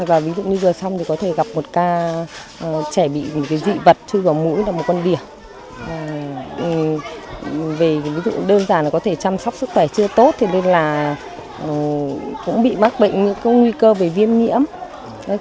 ví dụ như giờ xong có thể gặp một ca trẻ bị dị vật chứ gọi mũi là một con đỉa